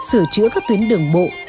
sửa chữa các tuyến đường bộ